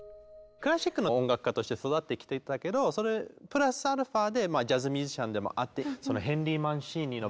クラシックの音楽家として育ってきていたけどそれプラスアルファでジャズ・ミュージシャンでもあって。